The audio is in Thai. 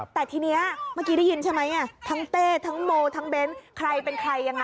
แต่ทีนี้เมื่อกี้ได้ยินใช่ไหมทั้งเต้ทั้งโมทั้งเบ้นใครเป็นใครยังไง